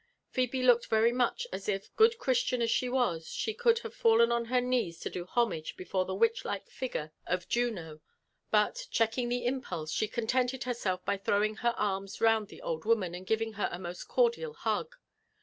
Phebe looked very much as if, good Christian as die was, she cOold have fallen on her knesi to do homage before the witoh« like figure of JONATHAN JBFFERSON WHITLAW. 197 Juno; but, checking the impulse, she contented herself by thrawing her arms round the old woman, and giving her a most cordial hug.